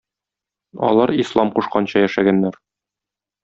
Алар ислам кушканча яшәгәннәр.